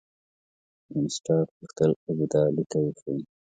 وینسیټارټ غوښتل ابدالي ته وښيي.